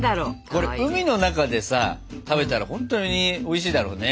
これ海の中でさ食べたらほんとにおいしいだろうね。